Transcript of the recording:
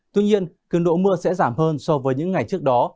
tuy nhiên cường độ mưa sẽ giảm hơn so với những ngày trước đó